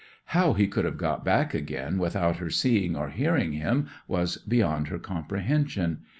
How he could have got back again without her seeing or hearing him was beyond her comprehension.